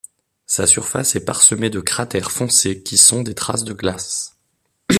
Sa surface est parsemé de cratères foncés qui sont des traces de glace.